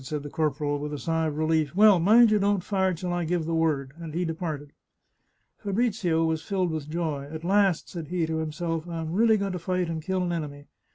" said the corporal, with a sigh of relief. " Well, mind you don't fire till I give the word," and he departed. Fabrizio was filled with joy. " At last," said he to him self, " I am really going to fight and kill an enemy